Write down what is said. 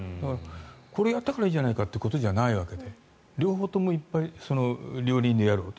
これをやったからいいじゃないかということではなくて両方ともいっぱい両輪でやろうと。